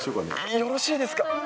よろしいですか？